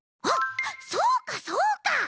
あっそうかそうか！